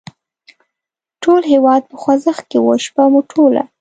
ټول هېواد په خوځښت کې و، شپه مو ټوله.